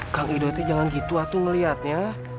kang idoi tuh jangan gitu atu ngeliatnya